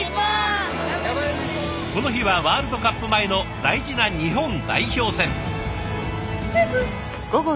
この日はワールドカップ前の大事な日本代表戦。